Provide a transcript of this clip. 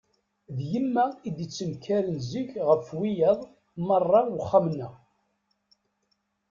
D yemma i d-ittenkaren zik ɣef wiyaḍ merra uxxam-nneɣ.